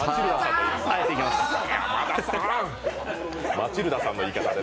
マチルダさんの言い方で。